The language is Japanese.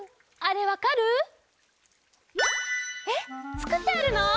つくってあるの？